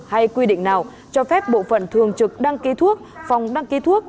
hay quy định nào cho phép bộ phận thường trực đăng ký thuốc phòng đăng ký thuốc